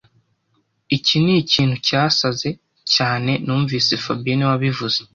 Iki nikintu cyasaze cyane numvise fabien niwe wabivuze